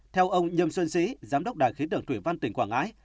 theo ông nhâm xuân sĩ giám đốc đảng khí tưởng thủy văn tỉnh quảng ngãi